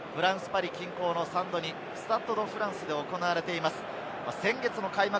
フランス・パリ近郊のサンドニ、スタッド・ド・フランスで行われています。